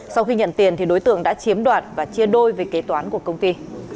sau khi nhận tiền thì đối tượng đã chiếm đoạt và chia đôi về kế toán của công ty